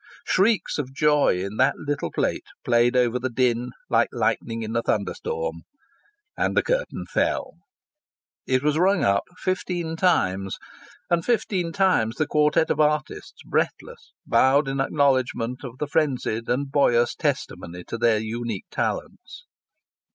Shrieks of joy in that little plate played over the din like lightning in a thunderstorm. And the curtain fell. It was rung up fifteen times, and fifteen times the quartette of artists, breathless, bowed in acknowledgment of the frenzied and boisterous testimony to their unique talents.